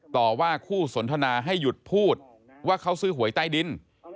ต่อว่าคู่สนทนาให้หยุดพูดว่าเขาซื้อหวยใต้ดิน